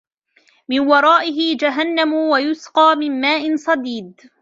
مِنْ وَرَائِهِ جَهَنَّمُ وَيُسْقَى مِنْ مَاءٍ صَدِيدٍ